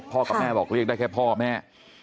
กับแม่บอกเรียกได้แค่พ่อแม่